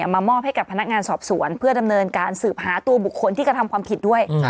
มามอบให้กับพนักงานสอบสวนเพื่อดำเนินการสืบหาตัวบุคคลที่กระทำความผิดด้วย